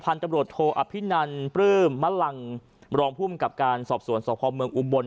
พันธุ์ตำรวจโทรอภินันปลื้มมะลังรองภูมิกับการสอบส่วนสอบภอมเมืองอุมบล